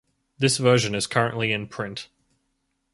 This version is currently in print.